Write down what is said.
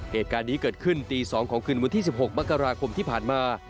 เหตุการณ์นี้เกิดขึ้นตี๒ของคืนวันที่๑๖มกราคมที่ผ่านมา